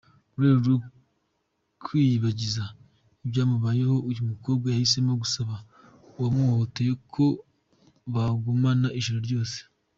Mu rwego rwo kwiyibagiza ibyamubayeho uyu mukobwa yahisemo gusaba uwamuhohoteye ko bagumana ijoro ryose.